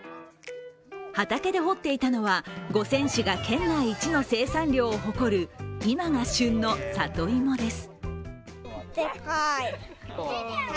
畑で掘っていたのは、五泉市が県内一の生産量を誇る今が旬の里芋です。